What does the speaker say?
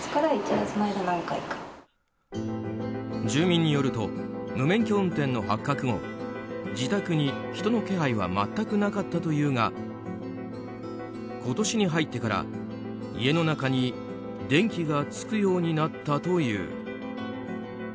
住民によると無免許運転の発覚後自宅に人の気配は全くなかったというが今年に入ってから家の中に電気がつくようになったという。